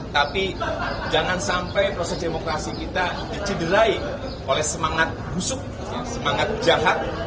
tapi jangan sampai proses demokrasi kita dicederai oleh semangat busuk semangat jahat